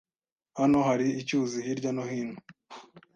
Hano hari icyuzi hirya no hino.